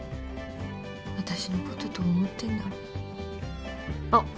私のことどう思ってんだろう。